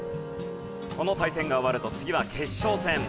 この対戦が終わると次は決勝戦。